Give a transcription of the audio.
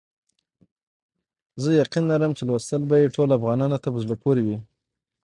زه یقین لرم چې لوستل به یې ټولو افغانانو ته په زړه پوري وي.